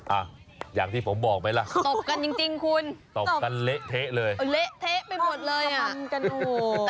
อ่ะอย่างที่ผมบอกไหมล่ะตบกันจริงจริงคุณตบกันเละเทะเลยเละเทะไปหมดเลยอ่ะ